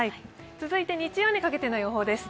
続いて日曜にかけての予想です。